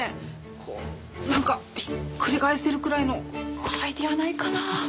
こうなんかひっくり返せるくらいのアイデアないかな？